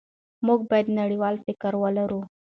موږ باید نړیوال فکر ولرو.